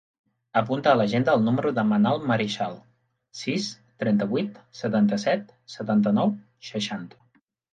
Apunta a l'agenda el número de la Manal Marichal: sis, trenta-vuit, setanta-set, setanta-nou, seixanta.